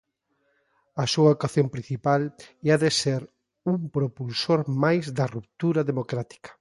A súa vocación principal é a de ser un propulsor máis da ruptura democrática.